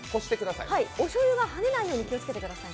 お醤油がはねないように気をつけてくださいね。